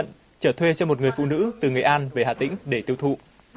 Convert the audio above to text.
đồng thời trở thuê cho một người phụ nữ từ nghệ an về hà tĩnh để tiêu thụ